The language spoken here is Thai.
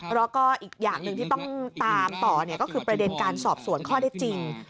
แล้วก็อีกอย่างหนึ่งที่ต้องตามต่อก็คือประเด็นการสอบสวนข้อได้จริง